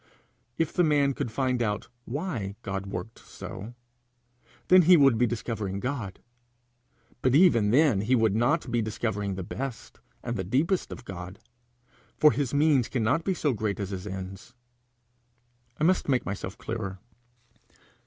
If the man could find out why God worked so, then he would be discovering God; but even then he would not be discovering the best and the deepest of God; for his means cannot be so great as his ends. I must make myself clearer.